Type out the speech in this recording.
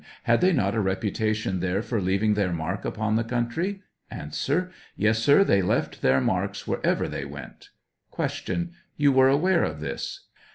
Had they not a reputation there for leaving their mark upon the country ? A. Yes, sir, they left their marks wherever they went. Q. You were aware of this